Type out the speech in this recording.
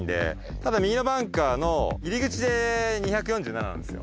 ただ右のバンカーの入り口で２４７なんですよ。